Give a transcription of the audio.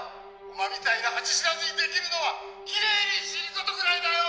「お前みたいな恥知らずに出来るのはきれいに死ぬ事ぐらいだよ！」